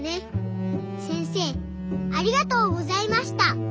せんせいありがとうございました。